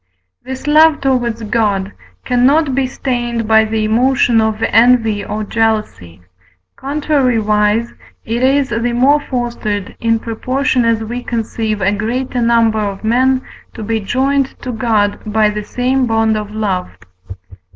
This love towards God cannot be stained by the emotion of envy or jealousy: contrariwise, it is the more fostered, in proportion as we conceive a greater number of men to be joined to God by the same bond of love.